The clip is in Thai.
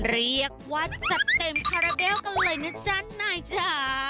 เรียกว่าจะเต็มคาราเด้วกันเลยนะจ๊ะหน่อยจ๊ะ